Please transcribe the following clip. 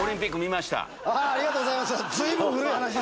ありがとうございます！